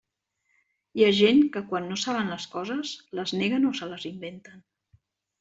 Hi ha gent que, quan no saben les coses, les neguen o se les inventen.